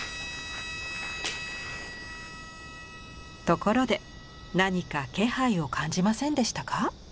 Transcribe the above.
ところで何か気配を感じませんでしたか？